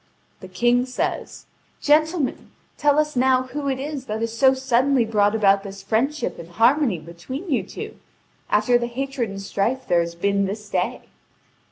The King says: "Gentlemen, tell us now who it is that has so suddenly brought about this friendship and harmony between you two, after the hatred and strife there has been this day?"